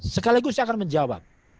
sekaligus saya akan menjawab